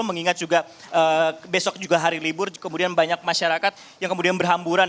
mengingat juga besok juga hari libur kemudian banyak masyarakat yang kemudian berhamburan